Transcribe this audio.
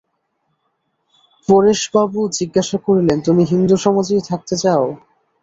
পরেশবাবু জিজ্ঞাসা করিলেন, তুমি হিন্দুসমাজেই থাকতে চাও?